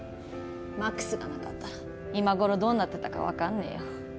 魔苦須がなかったら今ごろどうなってたか分かんねえよ。